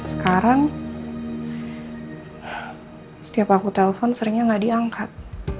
sekarang setiap aku telfon seringnya gak diangkat